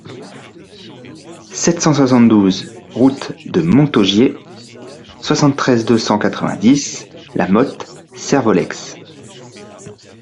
sept cent soixante-douze route de Montaugier, soixante-treize, deux cent quatre-vingt-dix, La Motte-Servolex